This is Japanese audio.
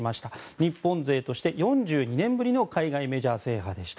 日本勢として４２年ぶりの海外メジャー制覇でした。